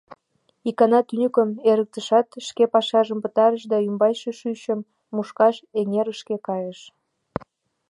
Икана тӱньыкым эрыктышат шке пашажым пытарыш да ӱмбачше шӱчым мушкаш эҥерышке кайыш.